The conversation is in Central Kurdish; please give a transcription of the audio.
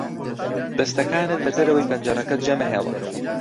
دەستەکانت لە دەرەوەی پەنجەرەکە جێمەهێڵە.